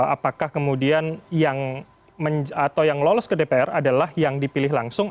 apakah kemudian yang lolos ke dpr adalah yang dipilih langsung